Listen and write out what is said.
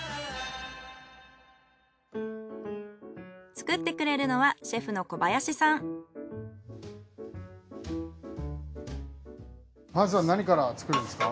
作ってくれるのはまずは何から作るんですか？